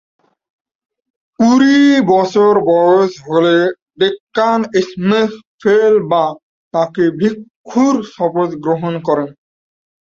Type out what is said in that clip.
কুড়ি বছর বয়স হলে দ্কোন-ম্ছোগ-'ফেল-বা তাকে ভিক্ষুর শপথ গ্রহণ করেন।